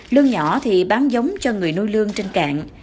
lương nhỏ thì bán giống cho người nuôi lương trên cạn